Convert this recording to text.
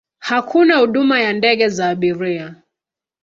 Hakuna huduma ya ndege za abiria.